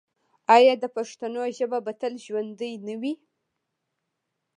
آیا د پښتنو ژبه به تل ژوندی نه وي؟